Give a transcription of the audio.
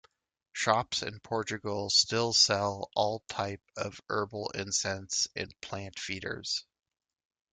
Shops in Portugal still sell all type of herbal incense and plant feeders.